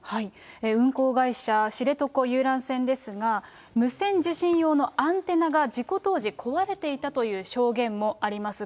運航会社、知床遊覧船ですが、無線受信用のアンテナが事故当時、壊れていたという証言もあります。